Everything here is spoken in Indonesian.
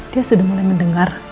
dia sudah mulai mendengar